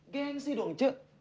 gengsi dong cek